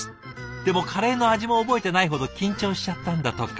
でもカレーの味も覚えてないほど緊張しちゃったんだとか。